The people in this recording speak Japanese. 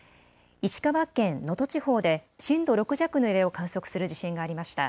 石川県能登地方で震度６弱の揺れを観測する地震がありました。